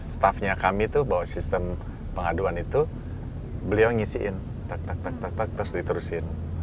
staffnya kami tuh bawa sistem pengaduan itu beliau ngisiin tak tak tak tak tak terus diterusin